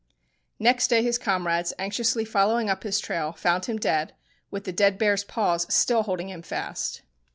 Next day his comrades, anxiously following up his trail, found him dead, with the dead bear's paws still holding him fast.